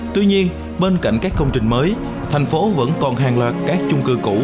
tuy nhiên bên cạnh các công trình mới thành phố vẫn còn hàng loạt các chung cư cũ